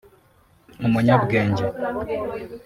umunyabwenge